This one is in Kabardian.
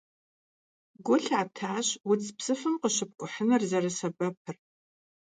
Гу лъатащ удз псыфым къыщыпкӀухьыныр зэрысэбэпым.